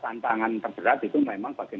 tantangan terberat itu memang bagaimana kemudian